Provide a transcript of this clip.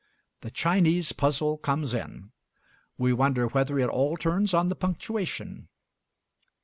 The Chinese puzzle comes in. We wonder whether it all turns on the punctuation.